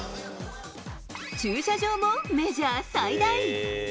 駐車場もメジャー最大。